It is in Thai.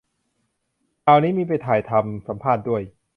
ข่าวนี้มีไปถ่ายทำ สัมภาษณ์ด้วย